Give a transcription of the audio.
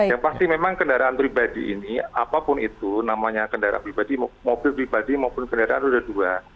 yang pasti memang kendaraan pribadi ini apapun itu namanya kendaraan pribadi mobil pribadi maupun kendaraan roda dua